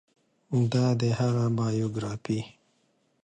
دا دی هغه بایوګرافي